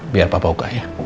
biar papa buka ya